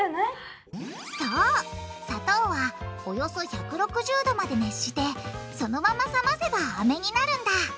そう砂糖はおよそ１６０℃まで熱してそのまま冷ませばアメになるんだ。